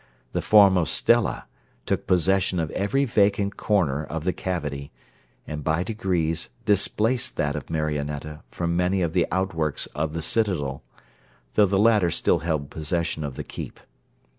The form of Stella took possession of every vacant corner of the cavity, and by degrees displaced that of Marionetta from many of the outworks of the citadel; though the latter still held possession of the keep.